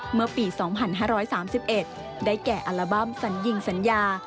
เมื่อปี๒๕๓๑ได้แก่อัลบั้มสัญญิงสัญญา